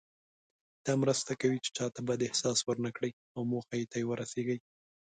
دا مرسته کوي چې چاته بد احساس ورنه کړئ او موخې ته ورسیږئ.